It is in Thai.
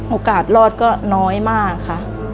โอกาสรอดก็น้อยมากค่ะ